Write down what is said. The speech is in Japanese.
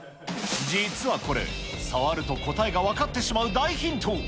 実はこれ、触ると答えが分かってしまう大ヒント。